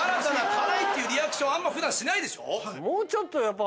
辛いっていうリアクションあんま普段しないでしょ？